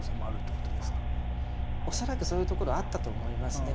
恐らくそういうところあったと思いますね。